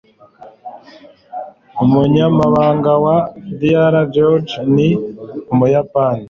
umunyamabanga wa dr. george ni umuyapani